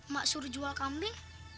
mak suruh jual kambing